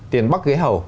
tiền bắc ghế hầu